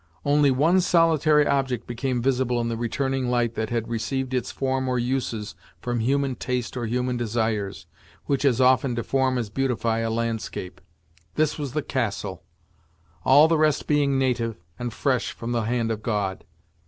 Only one solitary object became visible in the returning light that had received its form or uses from human taste or human desires, which as often deform as beautify a landscape. This was the castle, all the rest being native, and fresh from the hand of God.